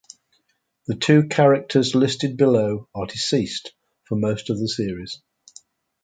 The two characters listed below are deceased for most of the series.